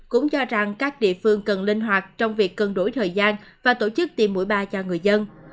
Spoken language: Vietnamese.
cũng cho rằng các địa phương cần linh hoạt trong việc cân đổi thời gian và tổ chức tiêm mũi ba cho người dân